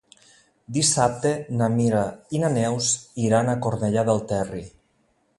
Dissabte na Mira i na Neus iran a Cornellà del Terri.